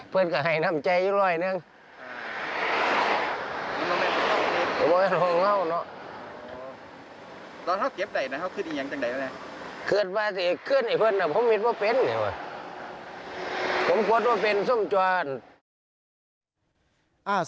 ผมโปรดโทรศัพท์ส่วนจัวร์